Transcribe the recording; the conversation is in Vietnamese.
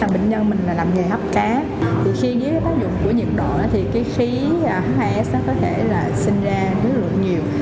bệnh nhân mình là làm nghề hấp cá thì khi với tác dụng của nhiệm độ đó thì cái khí h hai s nó có thể là sinh ra rất là nhiều